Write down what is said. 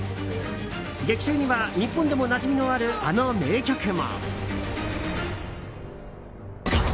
劇中には日本でもなじみのあるあの名曲も。